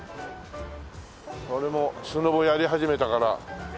俺もスノボやり始めたから。